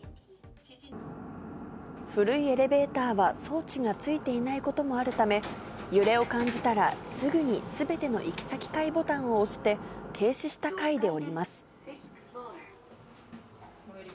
古いエレベーターは装置が付いていないこともあるため、揺れを感じたら、すぐにすべての行き先階ボタンを押して、停止した階で降ります。